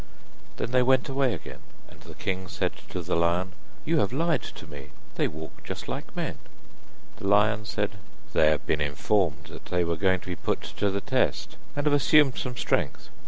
Then they went away again, and the king said to the lion: 'You have lied to me, they walk just like men.' The lion said: 'They have been informed that they were going to be put to the test, and have assumed some strength.